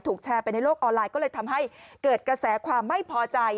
แชร์ไปในโลกออนไลน์ก็เลยทำให้เกิดกระแสความไม่พอใจ